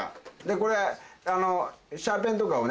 これあのシャーペンとかをね